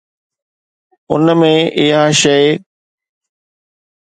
ان ۾ اها شيءِ